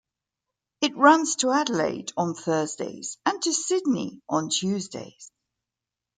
It runs to Adelaide on Thursdays, and to Sydney on Tuesdays.